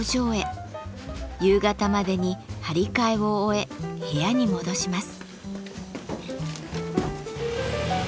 夕方までに張り替えを終え部屋に戻します。